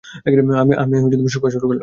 আমি শোঁকা শুরু করলাম।